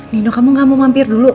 nino kamu gak mau mampir dulu